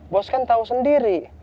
bos kan tau sendiri